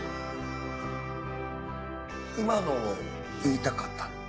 今のを言いたかったの？